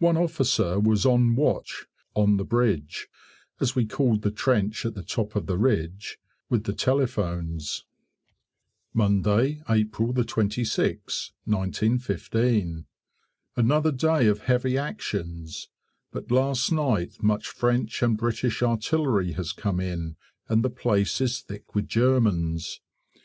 One officer was on watch "on the bridge" (as we called the trench at the top of the ridge) with the telephones. Monday, April 26th, 1915. Another day of heavy actions, but last night much French and British artillery has come in, and the place is thick with Germans.